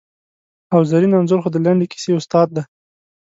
او زرین انځور خو د لنډې کیسې استاد دی!